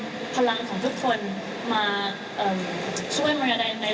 มิริยามีเวทีที่ยิ่งใหญ่มากตอนนี้